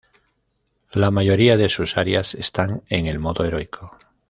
La mayoría de sus arias están en el modo heroico.